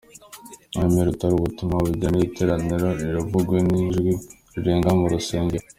Ururimi rutari ubutumwa bugenewe iteraniro, ntiruvugwe n’ijwi rirenga mu rusengero.